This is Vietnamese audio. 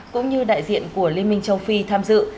cũng như đại diện của liên minh châu phi tham dự